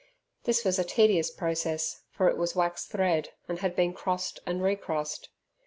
This was a tedious process, for it was wax thread, and had been crossed and recrossed.